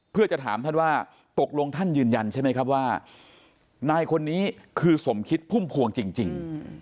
เพื่อจะถามท่านว่าตกลงท่านยืนยันใช่ไหมครับว่านายคนนี้คือสมคิดพุ่มพวงจริง